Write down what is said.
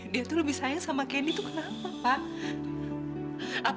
dia tuh lebih sayang sama candy tuh kenapa pa